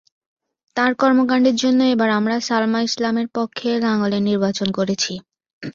তাঁর কর্মকাণ্ডের জন্য এবার আমরা সালমা ইসলামের পক্ষে লাঙ্গলের নির্বাচন করেছি।